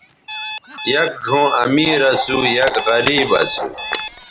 یک ڙھؤں امیر اسُو ،یک غریب اسُو